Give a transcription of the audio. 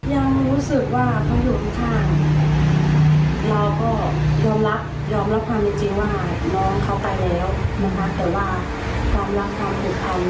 ยังรู้สึกว่าเขาอยู่ข้างเราก็ยอมรับยอมรับความจริงจริงว่าน้องเขาตายแล้วนะฮะ